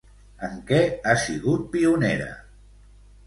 En què ha sigut pionera?